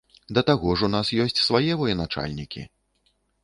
Да таго ж у нас ёсць свае военачальнікі.